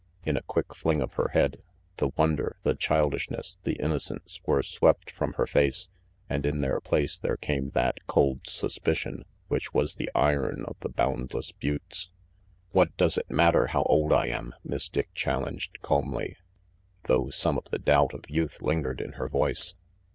In a quick fling of her head, the wonder, the childishness, the innocence, were swept from her face; and in their place there came that cold suspicion which was the iron of the boundless buttes. "What does it matter how old I am?" Miss Dick challenged calmly, though some of the doubt of youth lingered in her voice.